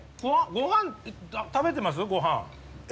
ごはんと食べてます？